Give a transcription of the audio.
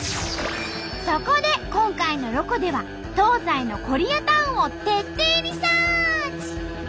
そこで今回の「ロコ」では東西のコリアタウンを徹底リサーチ！